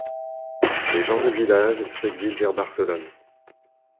Les gens du village s'exilent vers Barcelone.